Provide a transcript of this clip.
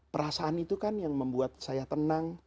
perasaan itu kan yang membuat saya tenang